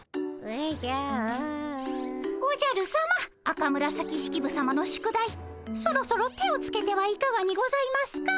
赤紫式部さまの宿題そろそろ手をつけてはいかがにございますか？